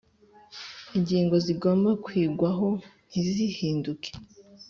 ingingo zigomba kwigwaho ntizihinduke